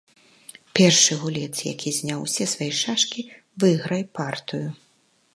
Першы гулец, які зняў усе свае шашкі, выйграе партыю.